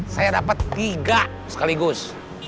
saya dapet tiga sekaligus